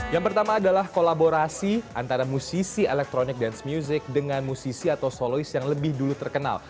yang pertama adalah kolaborasi antara musisi electronic dance music dengan musisi atau soloist yang lebih dulu terkenal